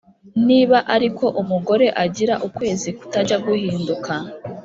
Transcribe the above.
niba ariko umugore agira ukwezi kutajya guhinduka,